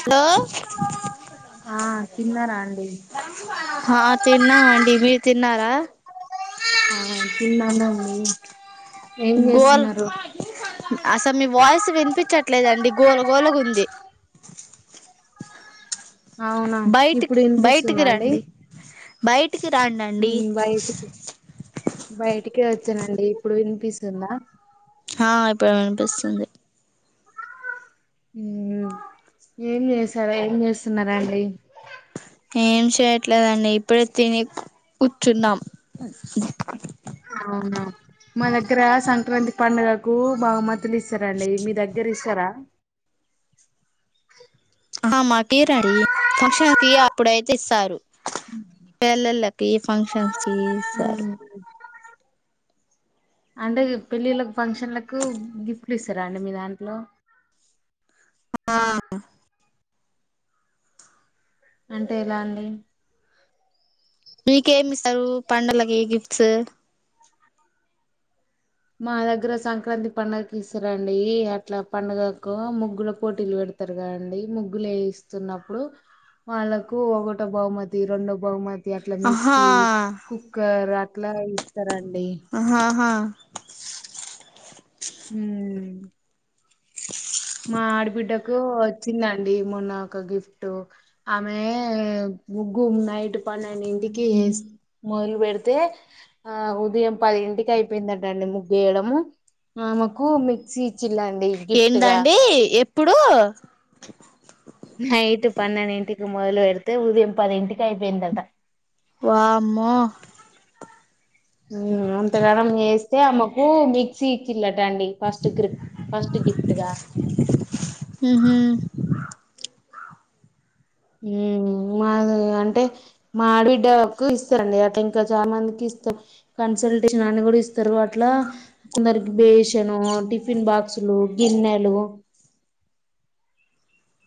Hello ఆ తిన్నారా అండి హా తిన్నామండి మీరు తిన్నారా [inaudible] ఏం గోల్ చేస్తున్నారో అసలు మీ వాయిస్ వినిపించట్లేదండి గోలు గోలగుంది అవునా ఇప్పుడు వినిపిస్తుందా అండి బైట్ బయటికి బయటికే వచ్చానండి ఇప్పుడు వినిపిస్తుందా ఆ ఇప్పుడు వినిపిస్తుంది ఏం చేసావ్ ఏం చేస్తున్నారండి ఏం చేయట్లేదండి ఇప్పుడే తిని కూచ్చున్నాం అ మ్మ మన గ్రా సంక్రాంతి పండుగకు బహుమ ఇస్తరండి మీ దగ్గర ఇస్తారా ఆహ మాకీరండి ఫంక్షన్ కి అప్పుడైతే ఇస్తారు పేన్లున్నాయి ఏ ఫంక్షన్స్ టీ ఇసారు ఉమ్, అంటే పెళ్ళిళ్ళలకు, ఫంక్షన్లకు గిఫ్ట్లు ఇస్తారా అండి మీ దాంట్లో ఆ అంటే ఎలా అండి మీకేమిస్తారు పండగలకి గిఫ్ట్స్ మా దగ్గర సంక్రాంతి పండుగకు ఇస్తారండి అట్లా పండుగకు ముగ్గుల పోటీలు పెడతారు కదండి ముగ్గులు ఏస్తున్నప్పుడు వాళ్ళకు ఒకటో బహుమతి రెండో బహుమతి అట్ల ఆహా మిక్సీ, కుక్కర్ అట్లా ఇస్తారండి ఆహ హా మ్మ్ హ్మ్ ఇ మా ఆడబిడ్డకు వచ్చిందండి మొన్న ఒక గిఫ్ట్ ఆమె ముగ్గు నైట్ ట్ పన్నెండింటికి ఏస్ మొదలు పెడితే ఆ ఉదయం పది ఇంటికి అయిపోయిందటండి ముగ్గేయడం ఆమెకు మిక్సీ ఇచ్చి చ్చిండండీ గిఫ్ట్ గా ఎప్పుడూ నైట్ పన్నెండంటికి మొదలు పెడితే ఉదయం పదింటికి అయిపోయిందట వామ్మో అంతగానం తే ఆమకు మిక్సి ఇచి రండి ఫస్ట్ గిఫ్ట్ గా ఫస్ట్ గిఫట్గా ఉహు మా అంటే మా ఆడ బిడ్డకు ఇస్తారంండి అట్లా ఇంకా చాలా మందికి ఇస్తారు కన్సల్టేషన్ అన్ని కూడా ఇస్తారు అట్లా కొందరికి బేషన్ టిఫిన్ బాక్సులు గిన్నెలు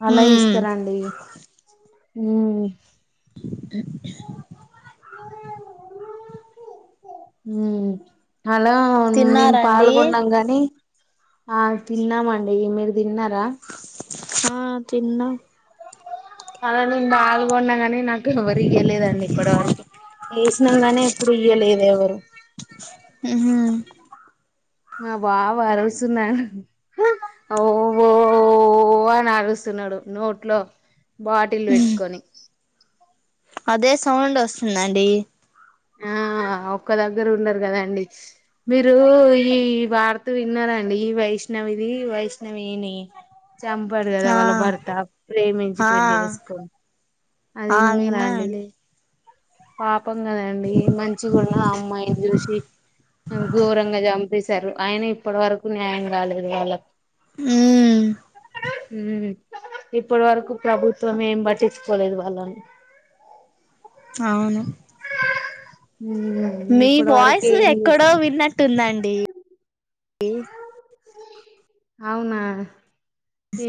అలా ఉమ్ ఇస్తారండి హ హ హలో మేము తిన్నారండి పాల్గొన్నాం గాని ఆ తిన్నామండి మీరు తిన్నారా హా తిన్న అలా నేను పాల్గొన్నా కానీ నాకు ఎవరు ఇయలేదండి ఇప్పటి వరకు వేసిన గానీ ఇప్పుడు ఇయ్యలేదు ఎవరు ఉహు నా బాబు అరుస్తున్నాడు ఓో అని అరుస్తున్నాడు నోట్లో బాటిల్ పెట్టుకొని అదే సౌండ్ వస్తుందండి ఆ ఒక్క దగ్గర ఉండరు కదాండి మీరు ఈ వాార్త విన్నారంండి ఈ వైష్ణవిది వైష్ణవిని చంపాడు కదా ఆ వాళ్ళ భర్త ప్రేమించి ఆ పెళ్ళి చేసుకో అది ఆ విన్నారా అండి విన్నానండి ఆ పాపం కదండి మంచి కూడాన్న అమ్మాయిని చూసి ఘోరంగా చంపి తీశారు ఆయన ఇప్పటి వరకు న్యాయం రాలేదు వాళ్ళ అ ఇప్పటి వరకు ప్రభుత్వం ఏం పట్టించుకోలేదు వాళ్ళని అవును ఉమ్ మీ ఇప్పటి వరకు వాయిస్ ఏం ఎక్కడో చేస్తుంది విన్నట్టుందండి అవునా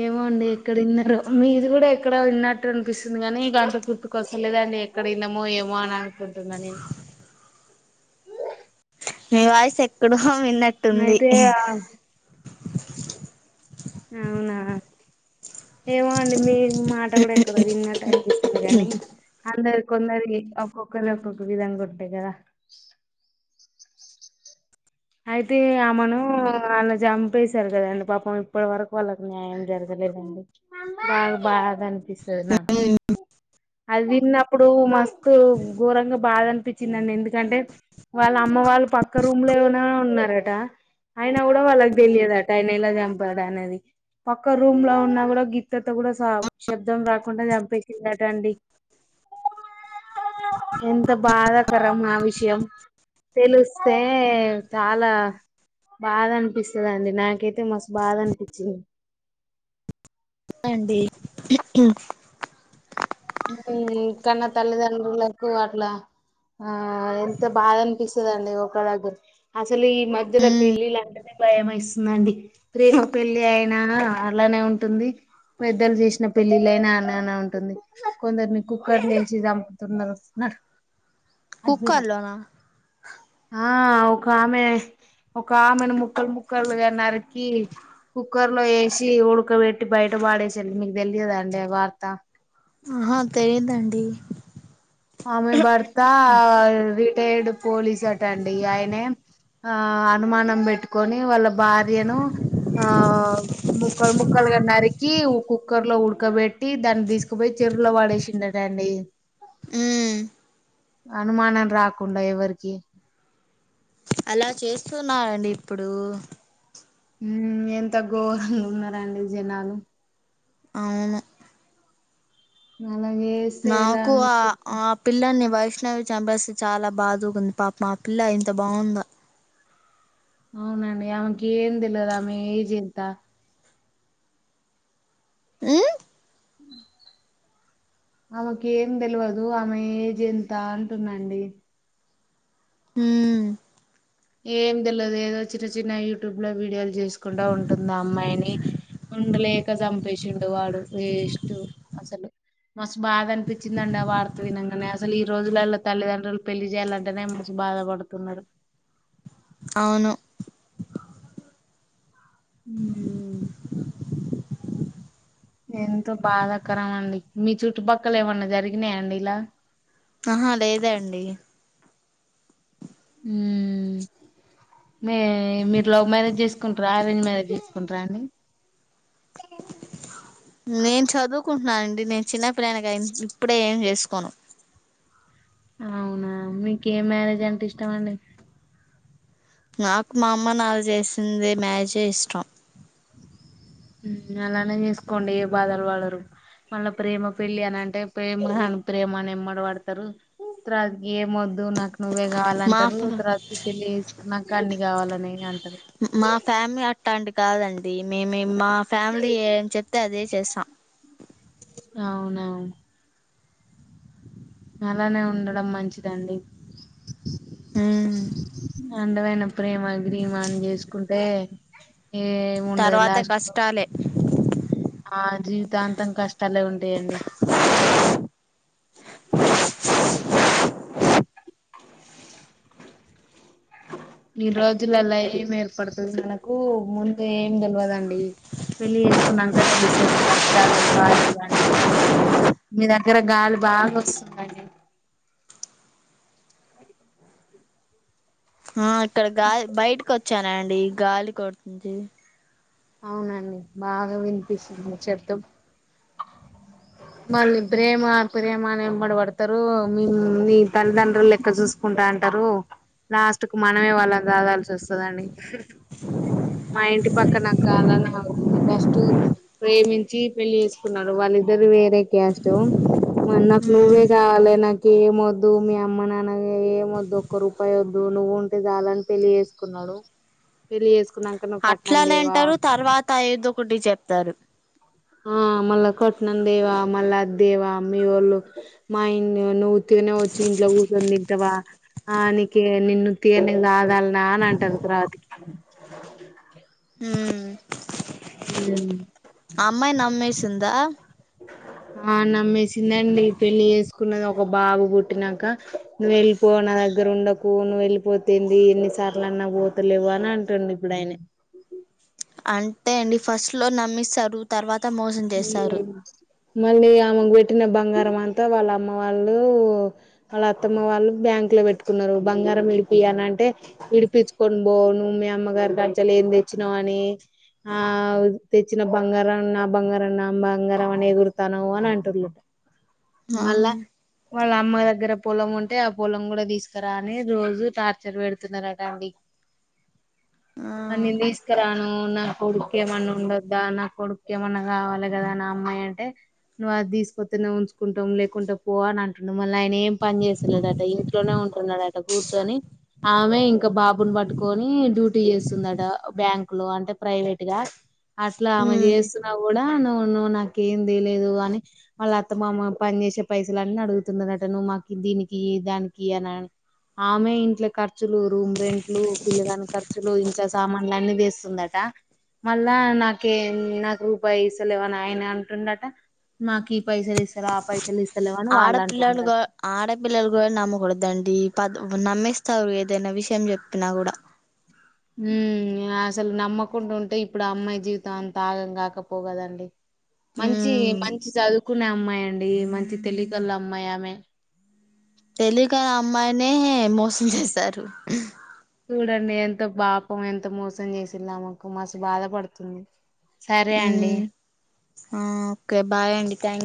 ఏమో అండి ఎక్కడన్నారో మీది కూడా ఎక్కడో విన్నట్టు అనిపిస్తుంది కాని అంత గుర్తుకొస్త లేదాండి ఎక్కడన్నామో ఏమో అని అనుకుంటున్నా నేను మీ వాయిస్ ఇక్కడ విన్నట్టుంది అయితే ఆ అవునా ఏమో అండి మీ ఈ మాట కూడా ఎక్కడో విన్నట్టు అనిపిస్తుంది కానీ అందరు కొందరి ఒక్కొక్కరి ఒక్కొక్క విధంగా ఉంటాయి కదా అయితే ఆమను అలా చంపేశారు కదండి పాపం ఇప్పటి వరకు వాళ్ళకి న్యాయం జరగలేదండి బాగా బాధ పిస్తాది అది విన్నప్పుడు మస్తు ఘోరంగా బాధ అనిపించిందండి ఎందుకంటే వాళ్ళ అమ్మ వాళ్ళు పక్క రూమ్ లో ఏనా ఉన్నట ఆయన కూడా వాళ్ళకి తెలియదుట ఆయన ఇలా చంపాడు అనేది పక్క రూమ్ లో ఉన్నా కూడా గిత్తతో కూడా శబ్దం రాకుండా చంపేసిండట అండి ఎంత బాధాకరం ఆ విషయం తెలిస్తే చాలా బాధ అనిపిస్తదండి. నాకైతే మస్తు బాధ అనిపించింది. అండి హ్మ్ కన్న తల్లిదండ్రులకు అట్లా ఆ ఎంత బాధ అనిపిస్తదండి. ఒక దగ్గర అసలు ఈ మధ్యలో పెళ్ళిలు అంటనే భయమేస్తుందండి. ప్రేమ పెళ్లి అయినా అలానే ఉంటుంది. పెద్దలు చేసిన పెళ్ళిల్లైనా అలానే ఉంటుంది. కొందరిని కుక్కర్ లో ఏసి చంపుతున్నరు. కుక్కర్లోనా ఆ ఒక ఆమె ఒక ఆమెను ముక్కలు ముక్కలుగా నరికి కుక్కర్ లో ఏసి ఉడకబెట్టి బయట పాడేసింది. మీకు తెలియదా అండి ఆ వార్త ఆహా తెలీదండి. ఆమె భర్తా అది రిటైర్డ్ పోలీసట అండి ఆయనే ఆ అనుమానం పెట్టుకొని వాళ్ళ భార్యను ఆ ముక్కలు ముక్కలు గా నరి కి ఓ కుక్కర్ లో ఉడకబెట్టి దాన్ని తీసుకుపోయి చెరువులో పాడేసిండటండి. ఉమ్ అనుమానం రాకుండా ఎవరికి అలా చేస్తున్నాారండి ఇప్పుడు హ్మ్ ఎంత ఘోరంగా ఉన్నారండి జనాలు అవును. అలాగే చేస్తే ఎలా అండి నాకూఆ ఆ పిల్లని బయ్ కృష్ణని చంపేస్తే చాలా బాధగుంది. పాపం ఆ పిల్ల ఎంత బాగుందో అవునండి ఆమెకి ఏం తెల్వదు ఆమె ఏజెంత హ్మ్ ఆమెకి ఏం తెల్వదు ఆమె ఏజ్ ఎంత అంటున్నాండి హ్మ్ ఏం తెల్వదు ఏదో చిన్న చిన్న యూట్యూబ్ లో వీడియోలు చేసుకుంటా ఉంటుందా అమ్మాయిని ఉండలేక చంపేసిండు. వాడు వేస్ట్టు అసలు మస్త్ బాధ అనిపించిందండి. ఆ వార్త వినంగానే అసలు ఈ రోజులలో తల్లిదండ్రులు పెళ్లి చేయాలంటేనే మనసు బాధ పడుతున్నరు. అవును హ్మ్ ఎంతో బాధాకరం అండి మీ చుట్టుపక్కల ఏమన్నా జరిగినాయండి ఇలా ఆహా లేదండి హ్మ్ మీ మీరు లవ్ మ్యారేజ్ చేసుకుంటర అరేంజ్ మ్యారేజ్ చేసుకుంటరా అండి. నేను చదువుకుంటున్నానండి నేను చిన్నపిల్లని గా ఇప్పుడే ఏం చేసుకోను. అవునా మీకు ఏం మ్యారేజ్ అంటే ఇష్టమండి. నాకు మా అమ్మ నాన్న చేసింది మ్యారేజే ఇష్టం. అలానే చేసుకోండి. ఏ బాధలు పడరు. మళ్ళా ప్రేమ పెళ్లి అని అంటే ప్రేమ అని ప్రేమ అని ఎమ్మట పడతరు. తరవాతకి ఏ వొద్దు నాకు నువ్వే మా కావాలంటరు. తరవాతకి పెళ్ళి చేసుకున్నాక అన్ని గావాలనైన అం మా ఫ్యామిలీ అట్ అట్టాంటి కాదండి మేము ఏ మా ఫ్యామిలీ ఏం చెప్తే అదే చేస్తాం. అవునవును అలానే ఉండడం మంచిదండి. ఉమ్ అండమైన ప్రేమ గ్రీమాని చేసుకుంటే ఏం ఉండదు తర్వాత లాస్ట్ కు కష్టాలే ఆ జీవితాంతం కష్టాలే ఉంటయండి. ఈ రోజులలా ఏం ఏర్పడుతుంది కనకు ముందు ఏం తెలివదండి పెళ్లి చేసుకున్నాక తెలుస్తుంది కష్టాలు బాధలవడి మీ దగ్గర గాలి బాగా వస్తుందండి అ హ ఇక్కడ గాలి బయటకు వచ్చానండి గాలి కొ జీ అవునండి బాగా వినిపిస్తుంది చెద్ద మళ్ళ ఇబ్రే మా ప్రయమాని ఇంబడి పడతారు మ మీ తల్లిదండ్రులు లెక్క చూసుకుంటా అంటారు లాస్ట్ కు మనమే వాళ్ళ రాదాల్సి వస్తుందండి మా ఇంటి పక్క నాకు కాలనికుంది కష్ట ప్రేమించి పెళ్లి చేసుకున్నారు వాళ్ళిద్దరుే అదక అష్టో నాకు నువ్వే ఉమ్ కావాలి నాకు ఏమ వద్దు మీ అమ్మ నాన్న ఏమ వద్దు ఒక్క రూపాయి వద్దు నువ్వు ఉంటే చాల అని తెలి చేసుకున్నాడు పెలిసుకు అట్లా లేంటారు తర్వాత ఐదొ ఒకటి చెప్తారు ఆ మళ్ళ కట్నం దేవా మళ్ళా దేవా మీ వాళ్ళు మా ఇ ను్వు గుగానే వచ్చు ఇంట్లో కూతుంది ఇవా ఆ నకే నిన్ను తీని కాదాల నా అని అంటారు తర్వాతికి అ నమ్మేసిందా హ ఆ నమ్మేసిందండి పెళ్లిి చేసుకున్నది ఒక బాబు పుట్టినాక నువ్వు వెళ్ళిపో నా దగ్గర ఉండకు నువ్వు వెళ్ళిపోతుంది ఎన్నిసార్లు అన్నా పోతలేవు అని అంటుడి ఇప్పుడు ఆయన అంతే అండి ఫస్ట్ లో నమ్మిస్తారు తర్వా మ్మ్ మళ్ళీ ఆ ఆమెకు పెట్టిన బంగారం అంతా వాళ్ళ అమ్మ వాళ్ళు వాళ్ళ అత్తమ్మ వాళ్ళు బ్యాంక్ లో పెట్టుకున్నారు, బంగారం విడిపి అని అంటే విడిపిచ్చుకొని బోవు నువ్వు మీ అమ్మగారికి లచ్చలు ఏం తెచ్చినావు అని ఆ తెచ్చిన బంగారం నా బంగారం బంగారం అనే ఎ గురుతాను అని అంటుర్ ఆ వాళ్ళ అమ్మ దగ్గర పొలం ఉంటే ఆ పొలం కూడా తీసుకురాని రోజు టార్చర్ పెడుతున్నారటండి ఆ అనిందిస్కరా ఆ నా కొడుక్కేమన ఉండద్దా నా కొడు ఏమన్నా కావాలి కదా నా అమ్మాయి అంటే నువ్వు అది తీసుకొస్తనే ఉంచుకుంటాం లేకుంటే పో అని అంటున్నావు మళ్ళీ ఆయన ఏం పని చేసలేడట ఇంట్లోనే ఉంటున్నాడట కూర్చొని, ఆమె ఇంకా బాబుని పట్టుకొని డ్యూటీ చేస్తుందట బ్యాంకు లో అంటే ప్రైవేట్ గా అట్లా ఆమె ఉమ్ చేసు, నా కూడా నువ్వు నువు నాకేం తెలీదు అని వాళ్ళ అత్త మామ పని చేసే పైసలు అన్న అడుగుతుండదట, నువ్వు మాకు దీనికియి దానికియి అనని, ఆమె ఇంట్లో ఖర్చులు రూమ్ రెంట్లు పిల్ల దాని ఖర్చులు ఇంట్ల సామాన్లు అన్నీ దీస్తుందట మళ్ళా నాకే నాకు పైసలు ఇవని ఆయన అంటుండట నాకు ఈ పైసలు ఇస్తార ఆ పైసలు ఇస్ ఆడపిల్లలుగా ఆడపిల్లుగుడ నమ్మకూడదండి కాదు నమ్మిస్తారు ఏదైనా విషయం చెప్పినా కూడా ఉమ్ అసలు నమ్మకుండా ఉంటే ఇప్పుడు అమ్మాయి జీవితం అంత ఆగం కాకపోవు కదండి. మంచి ఉమ్ మంచి చదువు కునే అమ్మాయండి మంచి తెలివిగల అమ్మాయి ఆమె తెలియక ఆ అమ్మాయినే మోసం చేసారు చూడండి ఎంత పాపం ఎంత మోసం చేసిల్లో ఆమెకు మస్సు బాధ పడుతుంది హు ఆ ఓకే బాయ్ అండి థ్యాంక్ ూ